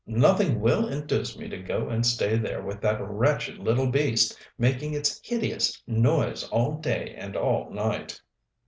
Nothing will induce me to go and stay there, with that wretched little beast making its hideous noise all day and all night."